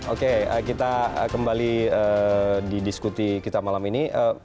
oke kita kembali didiskuti kita malam ini